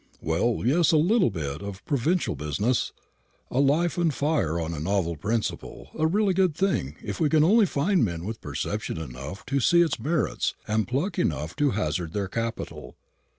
"Well, yes, a little bit of provincial business; a life and fire on a novel principle; a really good thing, if we can only find men with perception enough to see its merits, and pluck enough to hazard their capital.